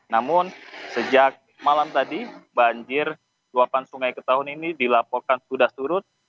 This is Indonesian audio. namun sejak malam tadi banjir luapan sungai ketahun ini dilaporkan sudah surut